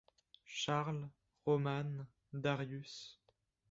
Charles, Romane, Darius.